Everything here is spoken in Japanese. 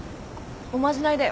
おまじないだよ。